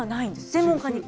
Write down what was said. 専門家に。